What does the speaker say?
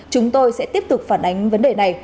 chúng tôi sẽ tiếp tục phản ánh vấn đề này